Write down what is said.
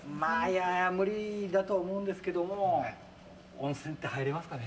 無理だと思うんですけども温泉って入れますかね？